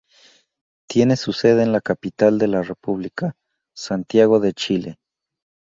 Tiene su sede en la capital de la República, Santiago de Chile.